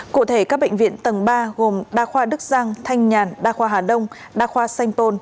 cụ thể các bệnh viện tầng ba gồm đa khoa đức giang thanh nhàn đa khoa hà đông đa khoa sanh pôn